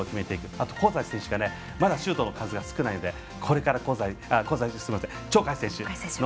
あと香西選手がまだシュートの数が少ないのですいません、鳥海選手ですね。